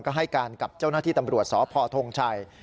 ก็ให้การกับเจ้าหน้าที่ตำรวจสพทงชัย